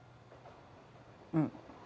うん。